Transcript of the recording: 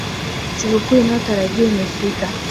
Siku kuu iliyotarajiwa imefika.